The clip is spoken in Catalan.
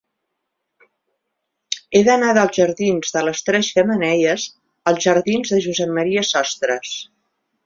He d'anar dels jardins de les Tres Xemeneies als jardins de Josep M. Sostres.